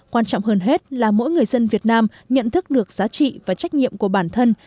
quan trọng hơn hết là mỗi người dân việt nam nhận thức được giá trị và trách nhiệm của bản thân